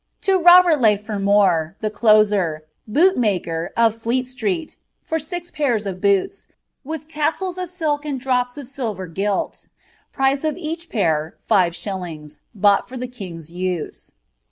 To Robert le Fermor (the closer), boot maker, of Fleet Mreti, for six pairs of boots, with tassels of silk and drops of silver gill, price of each pair &ve shillings, bought for the king's use.